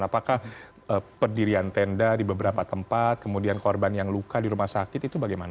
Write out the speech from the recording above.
apakah pendirian tenda di beberapa tempat kemudian korban yang luka di rumah sakit itu bagaimana